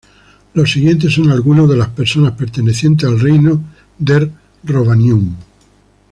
Los siguientes son algunos de las personas pertenecientes al reino de Rhovanion.